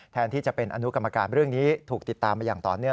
แทนที่จะเป็นอนุกรรมการเรื่องนี้ถูกติดตามมาอย่างต่อเนื่อง